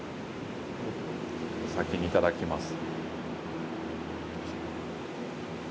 お先にいただきます。